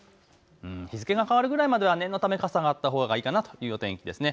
日付が変わるぐらいまでは念のため傘があったほうがいいかなというお天気ですね。